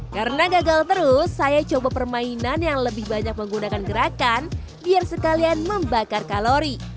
karena gagal terus saya coba permainan yang lebih banyak menggunakan gerakan biar sekalian membakar kalori